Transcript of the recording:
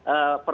terima kasih pak